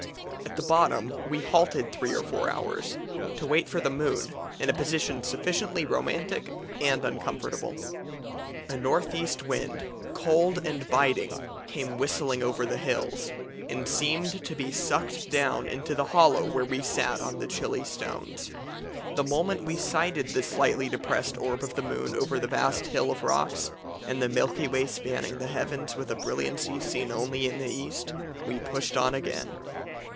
At the bottom we halted three or four hours, to wait for the moon, in a position sufficiently romantic and uncomfortable. A north east wind, cold and biting, came whistling over the hills, and seemed to be sucked down into the hollow where we sat on the chilly stones. The moment we sighted the slightly depressed orb of the moon over the vast hill of rocks, and the Milky Way spanning the heavens with a brilliancy seen only in the East, we pushed on again.